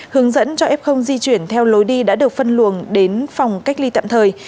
hướng dẫn cho f di chuyển theo lối đi đã được phân luồng đến phòng cách ly tạm thời